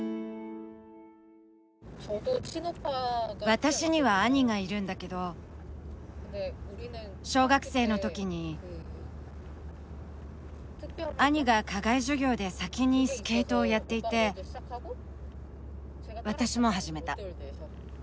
私には兄がいるんだけど小学生の時に兄が課外授業で先にスケートをやっていて私も始めた。